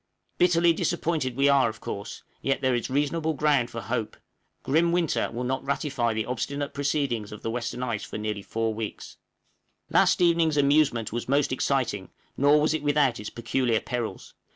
Bitterly disappointed we are, of course; yet there is reasonable ground for hope; grim winter will not ratify the obstinate proceedings of the western ice for nearly four weeks. {PERILOUS AMUSEMENT.} Last evening's amusement was most exciting, nor was it without its peculiar perils.